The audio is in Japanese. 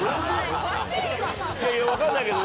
いやいやわかんないけど。